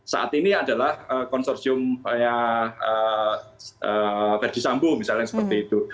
saat ini adalah konsorsium berdisambung misalnya seperti itu